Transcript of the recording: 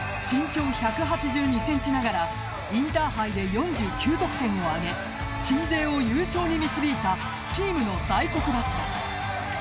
身長１８２ｃｍながらインターハイで４９得点を挙げ鎮西を優勝に導いたチームの大黒柱。